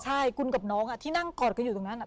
ใช่คุณกับน้องที่นั่งกอดกันอยู่ตรงนั้น